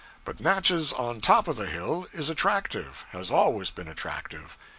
But Natchez on top of the hill is attractive; has always been attractive.